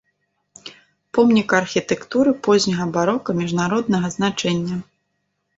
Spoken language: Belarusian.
Помнік архітэктуры позняга барока міжнароднага значэння.